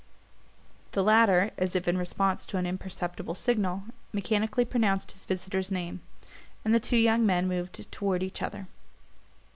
The latter, as if in response to an imperceptible signal, mechanically pronounced his visitor's name; and the two young men moved toward each other.